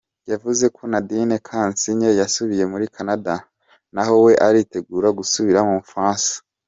Yavuze ko Nadine Kasinge yasubiye muri Canada, naho we aritegura gusubira mu Bufaransa.